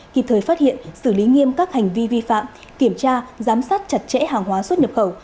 kịp thời phát hiện xử lý nghiêm các hành vi vi phạm kiểm tra giám sát chặt chẽ hàng hóa xuất nhập khẩu